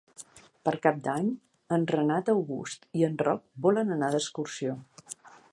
Per Cap d'Any en Renat August i en Roc volen anar d'excursió.